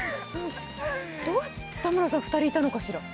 田村さん、２人いたのかしら？